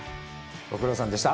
ご苦労さんでした。